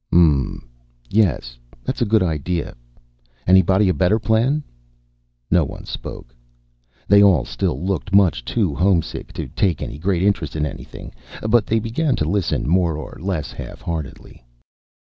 "M m. Yes. That's a good idea. Anybody a better plan?" No one spoke. They all still looked much too homesick to take any great interest in anything, but they began to listen more or less half heartedly.